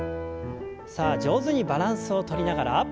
さあ上手にバランスをとりながら。